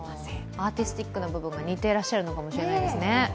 アーティスティックな部分が似てらっしゃるかもしれないですね。